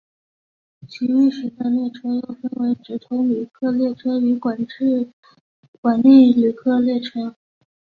其运行的列车又分为直通旅客列车与管内旅客列车。